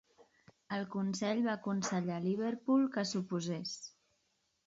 El Consell va aconsellar Liverpool que s'oposés.